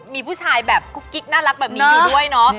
มีผู้ชายแบบกุ๊กกิ๊กน่ารักแบบนี้อยู่ด้วยเนาะ